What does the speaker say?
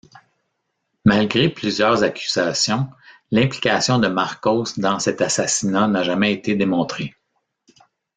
Malgré plusieurs accusations, l'implication de Marcos dans cet assassinat n'a jamais été démontrée.